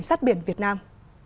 luật cảnh sát biển việt nam